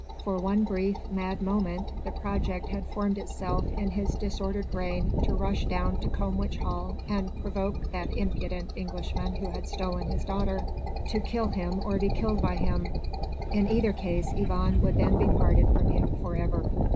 For one brief, mad moment, the project had formed itself in his disordered brain to rush down to Combwich Hall and provoke that impudent Englishman who had stolen his daughter: to kill him or be killed by him; in either case Yvonne would then be parted from him for ever.